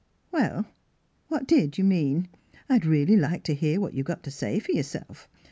" Well, what did you mean? I'd really like to hear what you've got to say fer yourself.